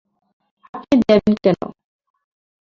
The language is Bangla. আপনি দেবেন কেন?